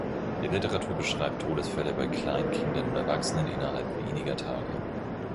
Die Literatur beschreibt Todesfälle bei Kleinkindern und Erwachsenen innerhalb weniger Tage.